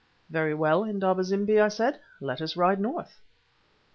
"Very well, Indaba zimbi," I said, "let us ride north."